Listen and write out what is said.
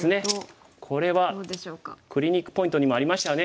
クリニックポイントにもありましたよね。